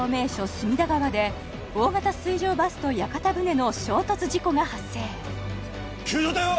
隅田川で大型水上バスと屋形船の衝突事故が発生救助艇は！？